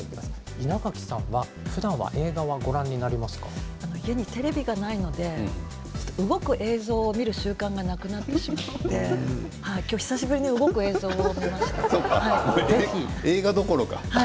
稲垣さんはふだん映画を家にテレビがないので動く映像を見る習慣がなくなってしまって今日久しぶりに動く映像を見ました。